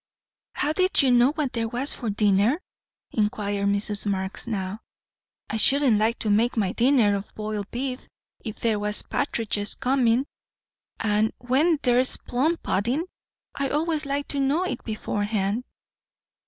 "How did you know what there was for dinner?" inquired Mrs. Marx now. "I shouldn't like to make my dinner of boiled beef, if there was partridges comin'. And when there's plum puddin' I always like to know it beforehand."